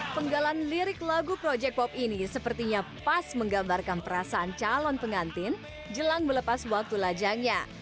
penggalan lirik lagu project pop ini sepertinya pas menggambarkan perasaan calon pengantin jelang melepas waktu lajangnya